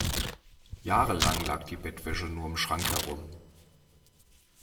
Jahrelang lag die Bettwäsche nur im Schrank herum.